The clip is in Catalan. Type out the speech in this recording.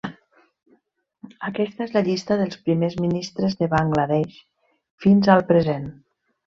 Aquesta és la llista dels primers ministres de Bangla Desh fins al present.